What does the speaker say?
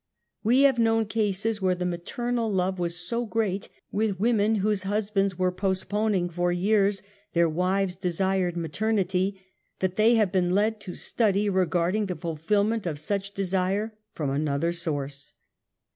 We have known cases where the maternal love was so great with women whose husbands were post ^ poning for years their wives desired maternity, that they have been led to study regarding the fulfillment y)f such desire from another source.